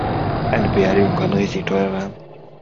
Eine Beerdigung kann richtig teuer werden.